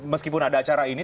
meskipun ada acara ini